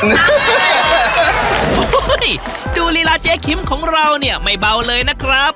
โอ้โหดูลีลาเจ๊คิมของเราเนี่ยไม่เบาเลยนะครับ